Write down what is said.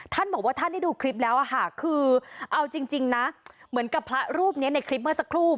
ท่านบอกว่าท่านได้ดูคลิปแล้วค่ะคือเอาจริงนะเหมือนกับพระรูปนี้ในคลิปเมื่อสักครู่